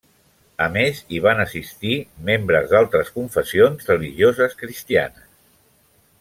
A més, hi van assistir membres d'altres confessions religioses cristianes.